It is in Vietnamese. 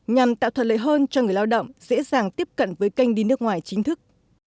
nhằm tạo thuận lợi hơn cho người lao động dễ dàng tiếp cận với kênh đi nước ngoài chính thức